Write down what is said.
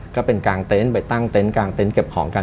ก็เป็นกางเต้นไปตั้งเต้นกางเต้นเก็บของกัน